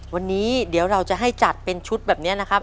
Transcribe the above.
วันนี้เดี๋ยวเราจะให้จัดเป็นชุดแบบนี้นะครับ